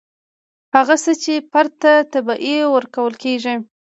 هغه څه چې فرد ته طبیعي ورکول کیږي.